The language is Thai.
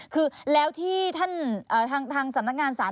คือแล้วที่ท่านทางสำนักงานศาล